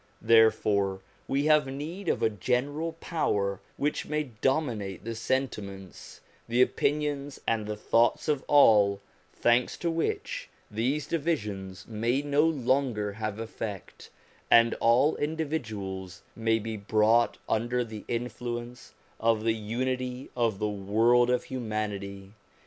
There fore we have need of a general power which may dominate the sentiments, the opinions, and the thoughts of all, thanks to which these divisions may no longer have effect, and all individuals may be brought under 340 SOME ANSWERED QUESTIONS the influence of the unity of the world of humanity.